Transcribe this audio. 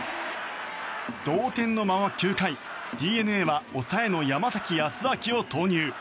同点のまま９回ＤｅＮＡは抑えの山崎康晃を投入。